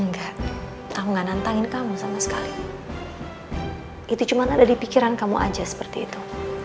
enggak kamu gak nantangin kamu sama sekali itu cuma ada di pikiran kamu aja seperti itu